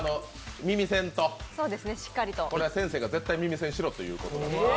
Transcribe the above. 耳栓と、これは先生が絶対、耳栓しろということで。